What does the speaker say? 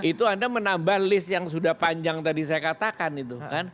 itu anda menambah list yang sudah panjang tadi saya katakan itu kan